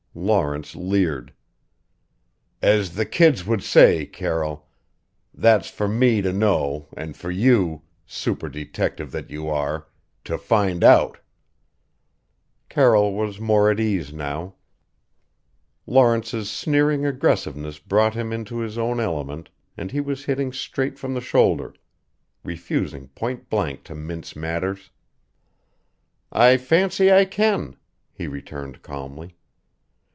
Lawrence leered. "As the kids would say, Carroll that's for me to know and for you super detective that you are to find out." Carroll was more at ease now. Lawrence's sneering aggressiveness brought him into his own element and he was hitting straight from the shoulder: refusing pointblank to mince matters. "I fancy I can," he returned calmly.